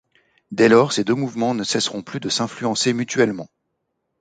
Dès lors, ces deux mouvements ne cesseront plus de s'influencer mutuellement.